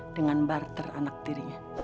dengan barter anak tirinya